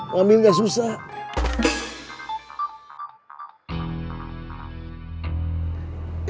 ngomil gak susah